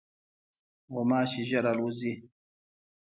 غوماشې ژر الوزي.